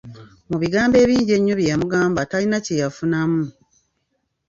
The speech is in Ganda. Mu bigambo ebingi ennyo bye yamugamba talina kyeyafunamu.